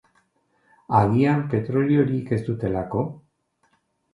Agian petroliorik ez dutelako?